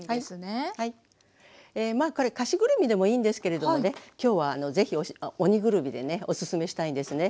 え菓子ぐるみでもいいんですけれどもね。今日はぜひ鬼ぐるみでねおすすめしたいんですね。